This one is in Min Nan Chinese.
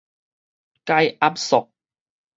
解壓縮